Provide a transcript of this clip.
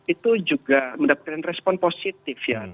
itu juga mendapatkan respon positif ya